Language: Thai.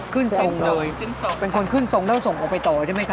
ขึ้นทรงขึ้นทรงเลยเป็นคนขึ้นทรงแล้วส่งออกไปต่อใช่ไหมคะ